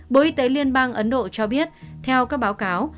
bộ y tế liên bang ấn độ cho biết theo các báo cáo